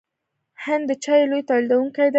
هند د چایو لوی تولیدونکی دی.